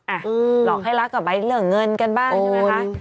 หลอกให้รักกับใบเรื่องเงินกันบ้างใช่ไหมคะ